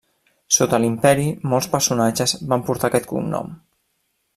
Sota l'Imperi molts personatges van portar aquest cognom.